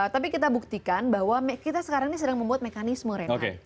tapi kita buktikan bahwa kita sekarang ini sedang membuat mekanisme reinhardt